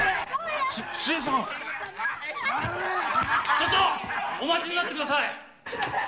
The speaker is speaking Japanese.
・ちょっとお待ちになってください！